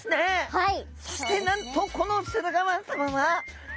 はい。